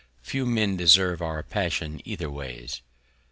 Few Men deserve our Passion either Ways.